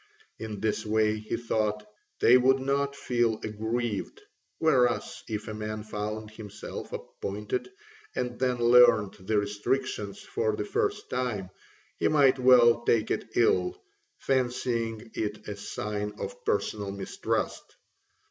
In this way, he thought, they would not feel aggrieved, whereas, if a man found himself appointed and then learnt the restrictions for the first time, he might well take it ill, fancying it a sign of personal mistrust.